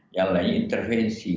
yang lainnya intervensi